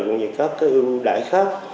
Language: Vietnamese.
cũng như các ưu đại khác